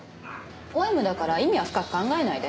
ポエムだから意味は深く考えないで。